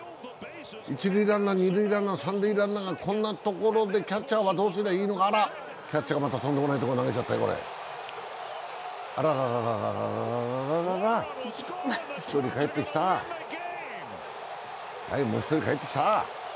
一塁ランナー、二塁ランナー、三塁ランナーがこんなところで、こんな所でキャッチャーはどうすりゃいいのか、キャッチャーがまたとんでもないところ投げちゃったよ、あらら１人帰ってきた、はい、もう１人帰ってきた。